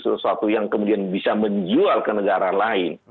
sesuatu yang kemudian bisa menjual ke negara lain